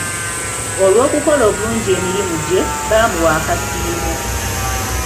Olw'okukola obulungi emirimu gye, bamuwa akasiimo.